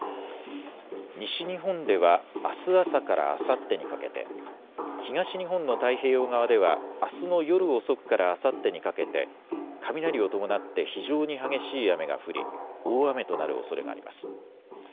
西日本では、あす朝からあさってにかけて、東日本の太平洋側ではあすの夜遅くからあさってにかけて雷を伴って非常に激しい雨が降り大雨となるおそれがあります。